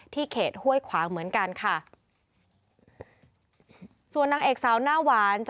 ที่เขตห้วยขวางเหมือนกันค่ะ